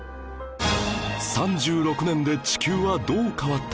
３６年で地球はどう変わった？